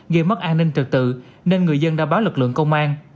gây mất an ninh trật tự nên người dân đã báo lực lượng công an